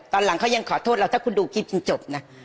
ตอนหลังเขายังขอโทษเราถ้าคุณดูคลิปจริงจบนะ